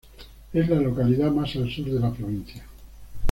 Es la localidad más al sur de la provincia.